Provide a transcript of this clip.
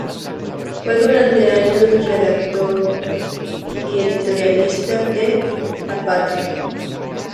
Fue durante años redactor y editorialista de "La Patria".